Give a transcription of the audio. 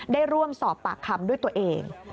ได้ร่วมสอบปากคำด้วยตัวเอง